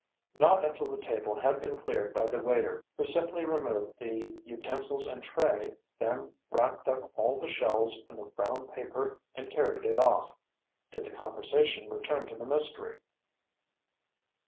Not until the table had been cleared by the waiter, who simply removed the utensils and tray, then wrapped up all the shells in the brown paper and carried it off, did the conversation return to the mystery.